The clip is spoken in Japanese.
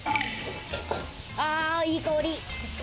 いい香り。